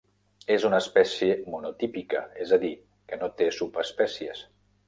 És una espècie monotípica, és a dir, que no té subespècies.